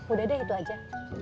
udah deh itu aja